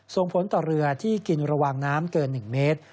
ส่งผลต่อเรือที่กินระวังน้ำเกิน๑เมตร